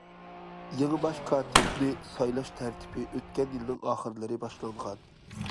يېڭى باش كاتىپنى سايلاش تەرتىپى ئۆتكەن يىلنىڭ ئاخىرلىرى باشلانغان.